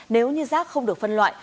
nếu như rác không được phân loại